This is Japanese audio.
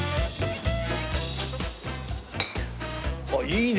あっいいね！